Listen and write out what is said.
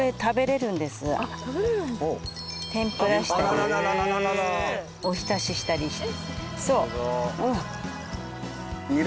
天ぷらしたりおひたししたりして。